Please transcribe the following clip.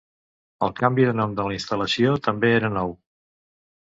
El canvi de nom de la instal·lació també era nou.